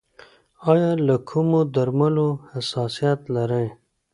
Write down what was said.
ایا له کومو درملو حساسیت لرئ؟